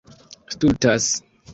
stultas